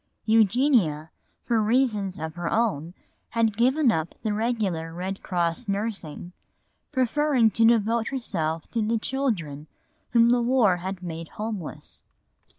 Eugenia, for reasons of her own, had given up the regular Red Cross nursing, preferring to devote herself to the children whom the war had made homeless.